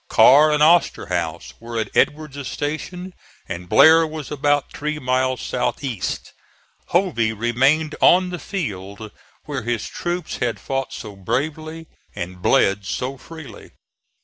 Carr and Osterhaus were at Edward's station, and Blair was about three miles south east; Hovey remained on the field where his troops had fought so bravely and bled so freely.